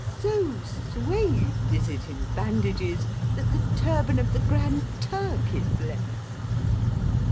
"So swathed is it in bandages, that the turban of the Grand Turk is less!"